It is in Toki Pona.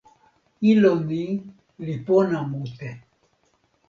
ilo ni li pona mute.